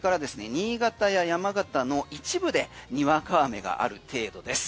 新潟や山形の一部でにわか雨がある程度です。